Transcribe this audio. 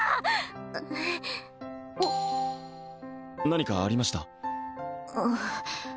何かありました？